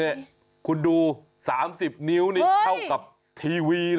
นี่คุณดู๓๐นิ้วนี่เท่ากับทีวีนะ